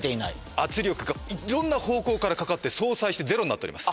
圧力がいろんな方向からかかって相殺してゼロになっております